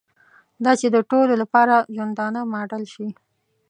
دا چې د ټولو لپاره ژوندانه ماډل شي.